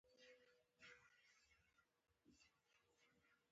روحانینو او اشرافو یې مخالفت کاوه.